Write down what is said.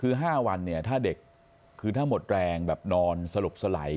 คือ๕วันเนี่ยถ้าเด็กคือถ้าหมดแรงแบบนอนสลบสลาย